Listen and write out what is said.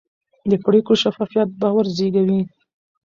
د پرېکړو شفافیت باور زېږوي